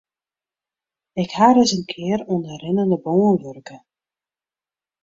Ik ha ris in kear oan de rinnende bân wurke.